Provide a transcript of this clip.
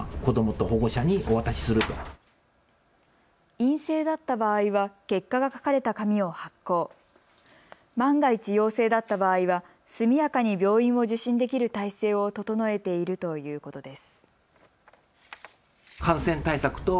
陰性だった場合は結果が書かれた紙を発行、万が一、陽性だった場合は速やかに病院を受診できる体制を整えているということです。